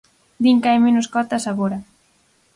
Din que hai menos cotas agora.